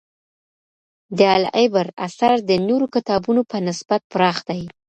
د «العِبر» اثر د نورو کتابونو په نسبت پراخ دی.